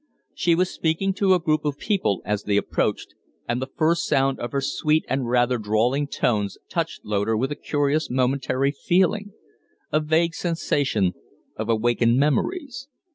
She was speaking to a group of people as they approached, and the first sound of her sweet and rather drawling tones touched Loder with a curious momentary feeling a vague suggestion of awakened memories.